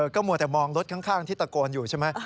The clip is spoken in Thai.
ก็มัวแต่มองรถข้างที่ตะโกนอยู่ใช่ไหม